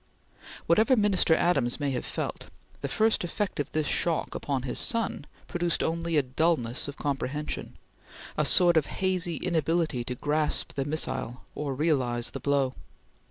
Whatever Minister Adams may have felt, the first effect of this shock upon his son produced only a dullness of comprehension a sort of hazy inability to grasp the missile or realize the blow.